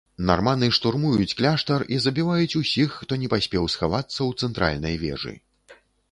Нарманы штурмуюць кляштар і забіваюць усіх, хто не паспеў схавацца ў цэнтральнай вежы.